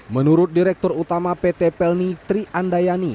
menurut direktur utama pt pelni triandayani